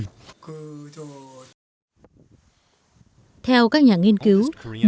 theo các nhà nghiên cứu múa mặt nạ có thể đã xuất hiện từ những năm một mươi tám trước công nguyên đến năm chín trăm ba mươi năm